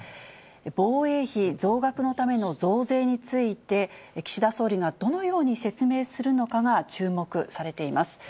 防衛費増額のための増税について、岸田総理がどのように説明するのかが注目されています。